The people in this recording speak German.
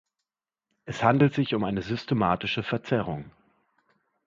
Es handelt sich somit um eine systematische Verzerrung.